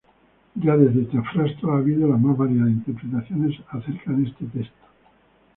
Ya desde Teofrasto ha habido las más variadas interpretaciones acerca de este texto.